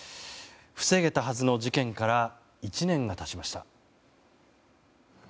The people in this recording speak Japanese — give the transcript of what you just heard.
防げたはずの事件から１年が経ちました。